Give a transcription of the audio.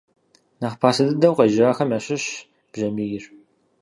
Нэхъ пасэ дыдэу къежьахэм ящыщщ бжьамийр.